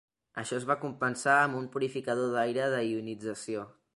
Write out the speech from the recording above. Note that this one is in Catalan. Això es va compensar amb un purificador d'aire de ionització.